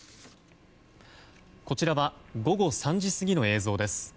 こちらは午後３時過ぎの映像です。